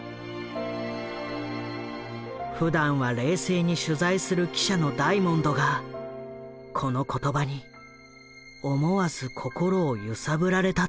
ふだんは冷静に取材する記者のダイモンドがこの言葉に思わず心を揺さぶられたという。